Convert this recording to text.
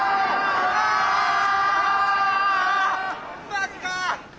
マジか！